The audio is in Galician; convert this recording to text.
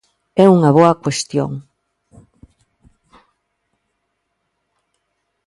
É unha boa cuestión.